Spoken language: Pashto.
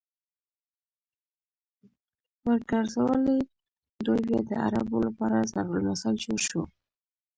ورګرځولې!! دوی بيا د عربو لپاره ضرب المثل جوړ شو